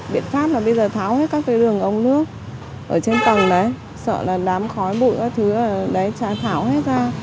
biện pháp là bây giờ tháo hết các cái đường ống nước ở trên tầng đấy sợ là đám khói bụi các thứ đấy tràn thảo hết ra